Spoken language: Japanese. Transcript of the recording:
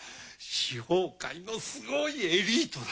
司法界のすごいエリートだ！